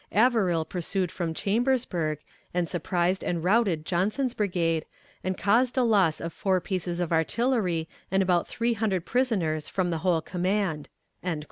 Averill pursued from Chambersburg, and surprised and routed Johnson's brigade, and caused a loss of four pieces of artillery and about three hundred prisoners from the whole command."